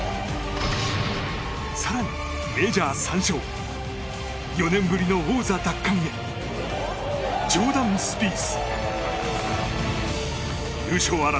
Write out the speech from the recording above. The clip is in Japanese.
更に、メジャー３勝４年ぶりの王座奪還へジョーダン・スピース。